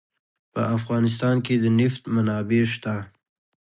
په افغانستان کې د نفت منابع شته.